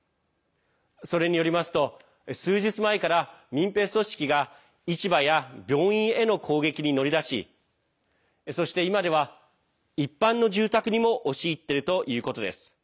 それによりますと数日前から民兵組織が市場や病院への攻撃に乗り出しそして、今では一般の住宅にも押し入っているということです。